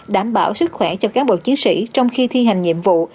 đảm bảo sức khỏe cho cán bộ chiến sĩ trong khi thi hành nhiệm vụ